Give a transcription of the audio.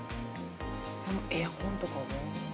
このエアコンとかは？